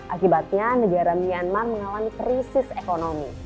akibatnya negara myanmar mengalami krisis ekonomi